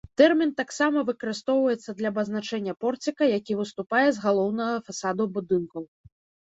Тэрмін таксама выкарыстоўваецца для абазначэння порціка, які выступае з галоўнага фасада будынкаў.